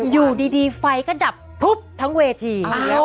อยู่ดีไฟก็ดับพลุบทั้งเวที